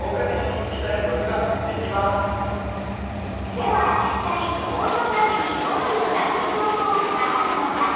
では実際モーションナビにどのような運動効果があるのか？